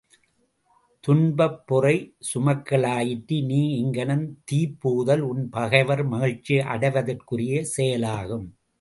துன்பப் பொறை சுமக்கலாற்றாது நீ இங்ஙனம் தீப்புகுதல் உன் பகைவர் மகிழ்ச்சி அடைவதற்குரிய செயலாகும்.